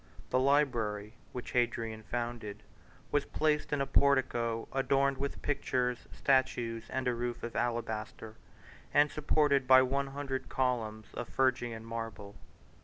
The library, which Hadrian founded, was placed in a portico adorned with pictures, statues, and a roof of alabaster, and supported by one hundred columns of Phrygian marble.